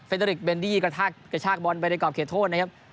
เดอริกเบนดี้กระชากบอลไปในกรอบเขตโทษนะครับ